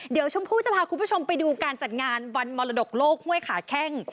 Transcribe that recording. เดี๋ยวชมพู่จะพาคุณผู้ชมไปดูการจัดงานวันมรดกโลกห้วยขาแข้ง